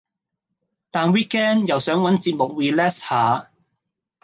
但 weekend 又想搵節目 relax 下